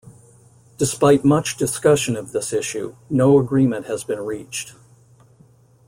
Despite much discussion of this issue, no agreement has been reached.